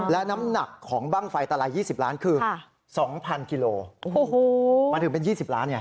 และน้ำหนักของบ้างไฟตลาย๒๐ล้านคือ๒๐๐กิโลโอ้โหมันถึงเป็น๒๐ล้านไง